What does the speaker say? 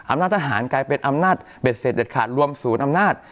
อำนาจทหารกลายเป็นอำนาจเบ็ดเสร็จเด็ดขาดรวมศูนย์อำนาจ